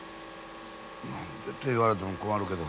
何でって言われても困るけど。